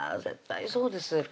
絶対そうです